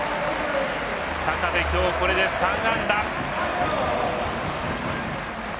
高部、今日これで３安打。